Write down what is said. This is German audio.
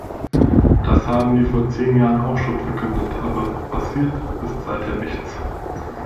Das haben die vor zehn Jahren auch schon verkündet, aber passiert ist seither nichts.